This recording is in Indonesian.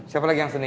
siapa lagi yang seni